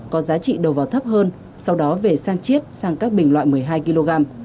có giá trị đầu vào thấp hơn sau đó về sang chiết sang các bình loại một mươi hai kg